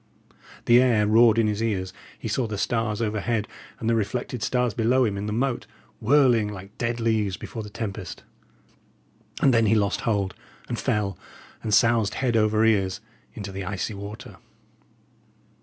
The air roared in his ears; he saw the stars overhead, and the reflected stars below him in the moat, whirling like dead leaves before the tempest. And then he lost hold, and fell, and soused head over ears into the icy water.